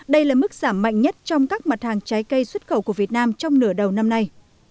đây là mức giảm mạnh nhất trong các mặt hàng trái cây xuất khẩu của việt nam trong nửa đầu năm nay